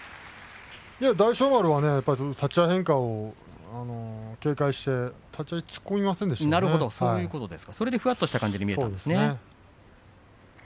大翔丸立ち合い変化を警戒して立ち合いそれでふわっとした感じに見えたんですね。